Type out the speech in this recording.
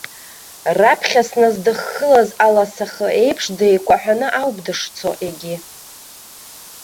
Раԥхьа сназдыххылаз, аласахы еиԥш деикәаҳәны ауп дышцо, егьи.